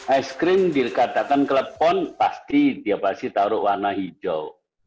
es krim dikatakan klepon pasti dia pasti taruh warna hijau